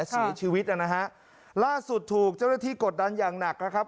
เสียชีวิตนะฮะล่าสุดถูกเจ้าหน้าที่กดดันอย่างหนักนะครับ